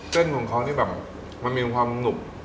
เส้นของเขานี่แบบมันมีความหนุบ